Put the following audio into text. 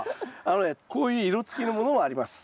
あのねこういう色つきのものもあります。